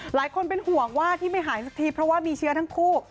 หลายคนเป็นห่วงว่าที่ไม่หายสักทีเพราะว่ามีเชื้อทั้งคู่